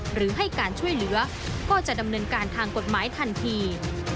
หรือให้การช่วยเหลือก็จะดำเนินการทางกฎหมายทันที